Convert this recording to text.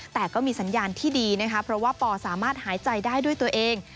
แต่ก็มีสัญญาณที่ดีนะคะเพราะว่าปอสามารถหายใจได้ด้วยตัวเอง